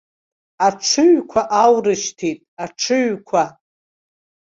Аҽыҩқәа аурышьҭит, аҽыҩқәа!